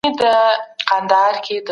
پخوا هګۍ د کلسترول له امله جنجالي وې.